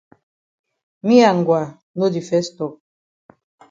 Me and Ngwa no di fes tok.